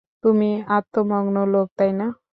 তুমি আত্মমগ্ন লোক, তাইনা?